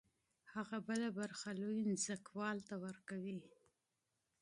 هغه بله برخه لوی ځمکوال ته ورکوي